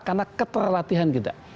karena keterlatihan kita